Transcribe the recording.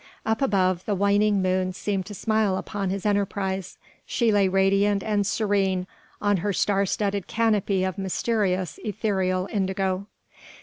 Up above, the waning moon seemed to smile upon his enterprise; she lay radiant and serene on her star studded canopy of mysterious ethereal indigo.